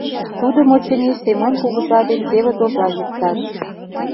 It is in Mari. Тудым, очыни, Семон кугыза ден кевыт оза йӱктат...